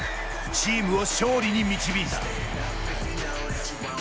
チームを勝利に導いた。